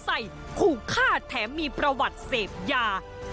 ใส่ผูกฆาตแถมมีประวัติเสพยา